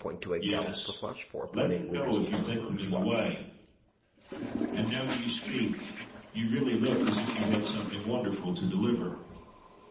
—Yes! let them go, if you think them in the way. And now do you speak! You really look as if you had something wonderful to deliver.